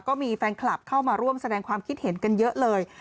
ก็มีแฟนคลับเข้ามาร่วมแสดงความคิดเห็นกันเยอะเลย